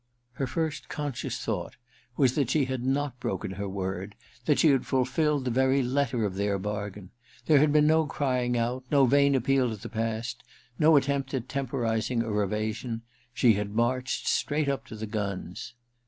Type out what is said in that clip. Her first conscious thought was that she had not broken her word, that she had fulfilled the very letter of their bargain. There had been no crying out, no vain appeal to the past, no attempt at temporizing or evasion. She had marched straight up to the guns.